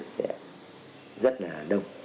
sẽ rất là đông